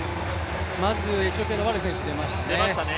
まず、エチオピアのワレ選手が出ましたね。